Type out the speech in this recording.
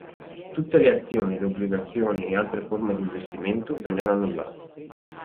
Tutte le azioni, le obbligazioni e altre forme di investimento vennero annullate.